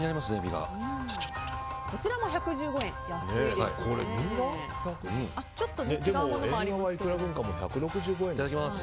こちらも１１５円、安いです。